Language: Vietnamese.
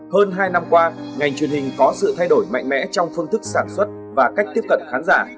hơn hai năm qua ngành truyền hình có sự thay đổi mạnh mẽ trong phương thức sản xuất và cách tiếp cận khán giả